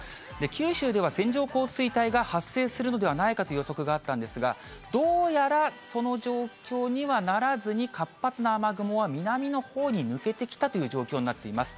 九州では線状降水帯が発生するのではないかという予測があったんですが、どうやらその状況にはならずに、活発な雨雲は南のほうに抜けてきたという状況になっています。